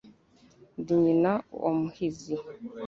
Ndi nyina wa Muhizi,